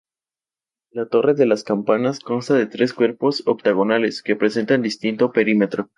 La torre de las campanas consta de tres cuerpos octogonales, que presentan distinto perímetro.